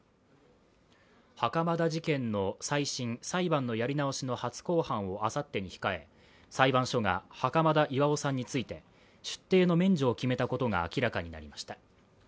袴田事件の再審＝裁判のやり直しの初公判をあさってに控え裁判所が袴田巖さんについて、出廷の免除を決めたことが明らかになりました